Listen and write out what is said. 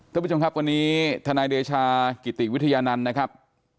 ท่านผู้ชมครับวันนี้ทนายเดชากิติวิทยานันต์นะครับ